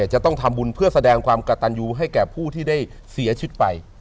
จะต้องทำบุญเพื่อแสดงความกระตันยูให้แก่ผู้ที่ได้เสียชีวิตไป